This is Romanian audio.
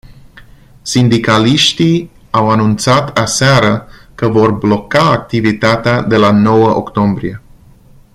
Sindicaliștii au anunțat aseară că vor bloca activitatea de la nouă octombrie.